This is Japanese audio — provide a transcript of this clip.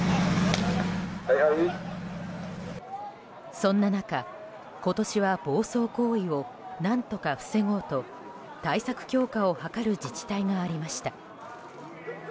そんな中、今年は暴走行為を何とか防ごうと対策強化を図る自治体がありました。